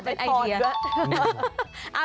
เป็นไอเดียนะ